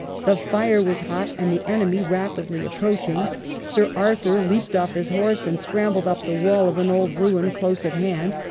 The fire was hot, and the enemy rapidly approaching. Sir Arthur leaped off his horse and scrambled up the wall of an old ruin close at hand.